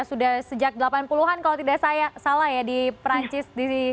sudah sejak delapan puluh an kalau tidak salah ya di perancis